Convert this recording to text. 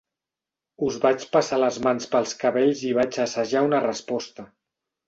Us vaig passar les mans pels cabells i vaig assajar una resposta.